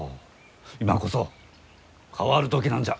今こそ変わる時なんじゃ。